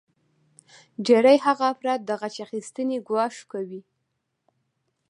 ډیری هغه افراد د غچ اخیستنې ګواښ کوي